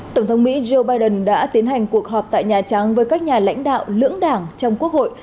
tổng thống mỹ joe biden đã tiến hành cuộc họp tại nhà trắng với các nhà lãnh đạo lưỡng đảng trong quốc hội